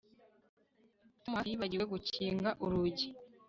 Tom hafi yibagiwe gukinga urugi